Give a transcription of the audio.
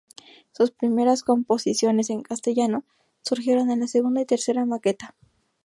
Sus primeras composiciones en castellano surgieron en la segunda y tercera maqueta.